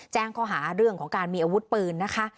แจ้งข้อหาเรื่องของการมีอาวุธปืนนะคะ